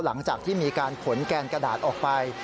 หลังจากที่มีการขนแกนกระดาษออกไป